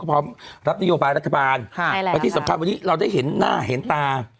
พร้อมรับนโยบายรัฐบาลและที่สำคัญวันนี้เราได้เห็นหน้าเห็นตา